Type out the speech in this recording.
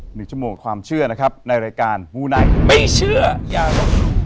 หนึ่งชั่วโมงความเชื่อนะครับในรายการมูไนท์ไม่เชื่ออย่าลบหลู่